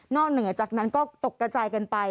เหนือจากนั้นก็ตกกระจายกันไป